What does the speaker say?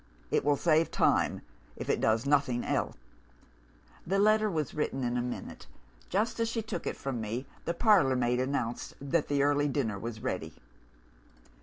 It will save time, if it does nothing else.' The letter was written in a minute. Just as she took it from me, the parlour maid announced that the early dinner was ready.